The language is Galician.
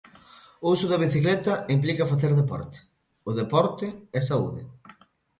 O uso da bicicleta implica facer deporte, o deporte é saúde.